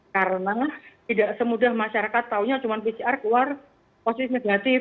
karena tidak semudah masyarakat tahunya cuma pcr keluar positif negatif